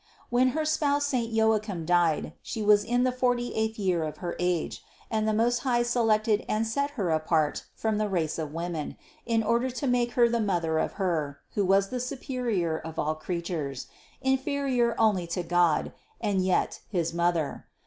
When her spouse saint Joachim died, she was in the forty eighth year of her age, and the Most High selected and set her apart from the race of women, in order to make her the mother of Her, who was the Su perior of all creatures, inferior only to God, and yet his Mother.